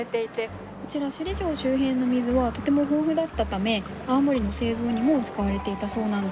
こちら首里城周辺の水はとても豊富だったため泡盛の製造にも使われていたそうなんです。